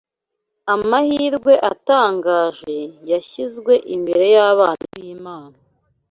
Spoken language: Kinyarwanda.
amahirwe atangaje yashyizwe imbere y’abana b’Imana